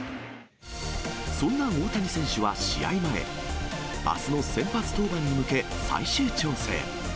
そんな大谷選手は試合前、あすの先発登板に向け最終調整。